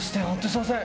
すみません。